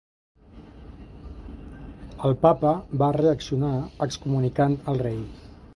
El papa va reaccionar excomunicant al rei.